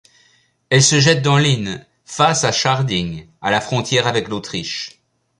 Elle se jette dans l'Inn face à Schärding à la frontière avec l'Autriche.